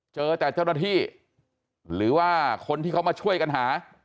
เจอแต่เจ้าหน้าที่หรือว่าคนที่เขามาช่วยกันหา